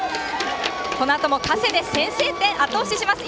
このあとも「加勢」で先制点をあと押しします！